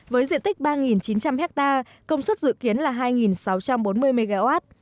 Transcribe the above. với diện tích ba chín trăm linh ha công suất dự kiến là hai sáu trăm bốn mươi mw